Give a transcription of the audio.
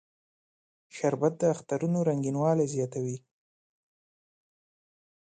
شربت د اخترونو رنگینوالی زیاتوي